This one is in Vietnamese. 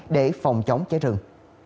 để phòng chống cháy rừng